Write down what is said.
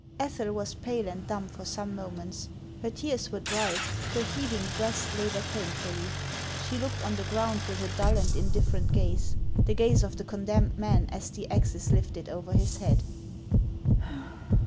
Ethel was pale and dumb for some moments. Her tears were dried, her heaving breast labored painfully ; she looked on the ground with a dull and indifferent gaze, — the gaze of the condemned man as the axe is lifted over his head.